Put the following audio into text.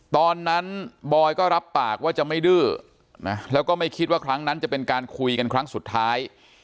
บอยก็รับปากว่าจะไม่ดื้อนะแล้วก็ไม่คิดว่าครั้งนั้นจะเป็นการคุยกันครั้งสุดท้าย